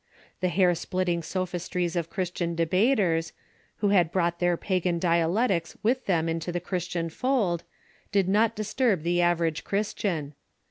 The hair splitting sophistries of Chris tian debaters, who had brought their pagan dialectics with them into the Christian fold, did not disturb the average Chris tian.